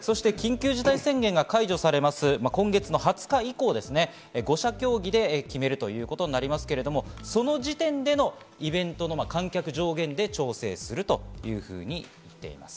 そして緊急事態宣言が解除されます、今月の２０日以降、五者協議で決めるということになりますけれども、その時点でのイベントの観客上限で調整するというふうに言っています。